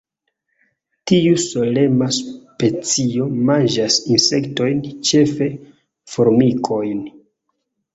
Tiu solema specio manĝas insektojn, ĉefe formikojn.